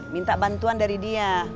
minta bantuan dari dia